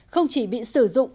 không chỉ bị sử dụng